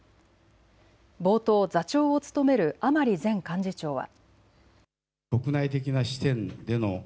冒頭、座長を務める甘利前幹事長は。